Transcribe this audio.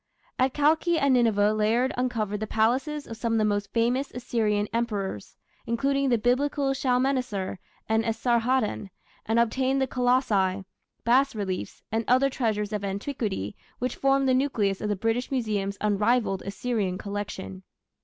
At Kalkhi and Nineveh Layard uncovered the palaces of some of the most famous Assyrian Emperors, including the Biblical Shalmaneser and Esarhaddon, and obtained the colossi, bas reliefs, and other treasures of antiquity which formed the nucleus of the British Museum's unrivalled Assyrian collection.